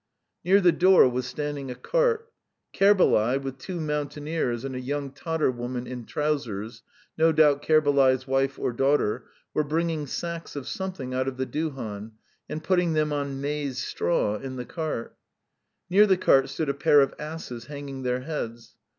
Near the door was standing a cart; Kerbalay, with two mountaineers and a young Tatar woman in trousers no doubt Kerbalay's wife or daughter were bringing sacks of something out of the duhan, and putting them on maize straw in the cart. Near the cart stood a pair of asses hanging their heads.